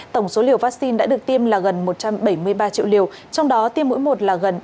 tổng số liều vaccine đã được tiêm là gần một trăm bảy mươi ba triệu liều trong đó tiêm mũi một là gần bảy mươi chín triệu liều